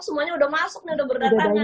semuanya udah masuk udah berdatanya